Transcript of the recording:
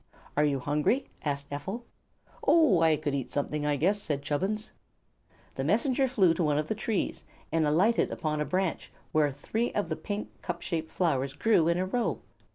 "Are you hungry?" asked Ephel. "Oh, I could eat something, I guess," said Chubbins. The Messenger flew to one of the trees and alighted upon a branch where three of the pink, cup shaped flowers grew in a row.